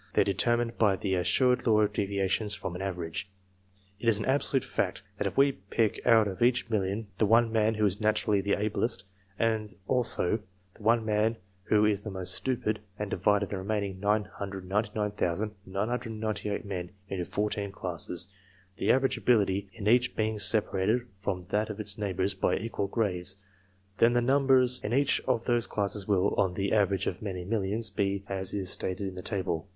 They are determined by the assured law of deviations from an average. It is an absolute fact that if we pick out of each million the one man who is naturally the ablest, and also the one man who is the most stupid, and divide the remaining 999,998 men into fourteen classes, the average ability in each being separated from that of its neighbours by equal grades, then the numbers in each of those classes will, on the average of many millions, be as is stated in the table.